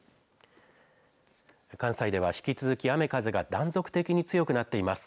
関西では引き続き雨風が断続的に強くなっています。